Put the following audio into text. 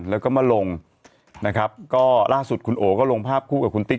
แล้วก็มาลงนะครับก็ล่าสุดคุณโอก็ลงภาพคู่กับคุณติ๊ก